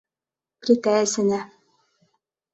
— Плитә эсенә.